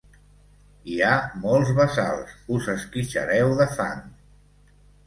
Hi ha molts bassals: us esquitxareu de fang.